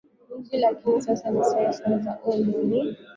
nchi Lakini siasa za ovyo ovyo ni